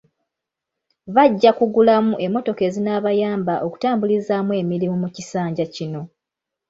Bajja kugulamu emmotoka ezinaabayamba okutambulizaamu emirimu mu kisanja kino.